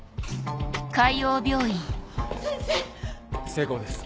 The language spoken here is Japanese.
成功です。